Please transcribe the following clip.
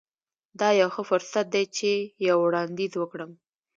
دا یو ښه فرصت دی چې یو وړاندیز وکړم